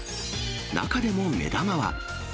中でも目玉は。